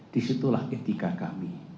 disitulah etika kami